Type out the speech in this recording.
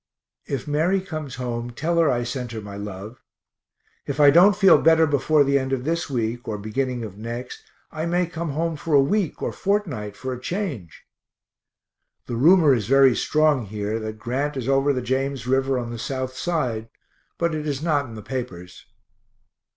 If Mary comes home, tell her I sent her my love. If I don't feel better before the end of this week or beginning of next, I may come home for a week or fortnight for a change. The rumor is very strong here that Grant is over the James river on south side but it is not in the papers.